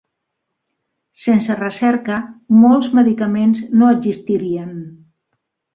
Sense recerca molts medicaments no existirien.